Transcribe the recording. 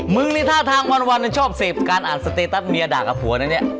มึงนี่ท่าทางวันชอบเสพการอ่านสเตตัสเมียด่ากับผัวนะเนี่ย